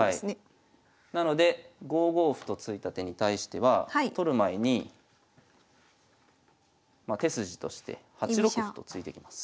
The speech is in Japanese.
なので５五歩と突いた手に対しては取る前に手筋として８六歩と突いてきます。